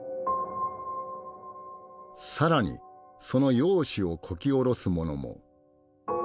更にその容姿をこき下ろす者も。